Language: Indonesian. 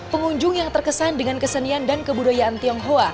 pengunjung yang terkesan dengan kesenian dan kebudayaan tionghoa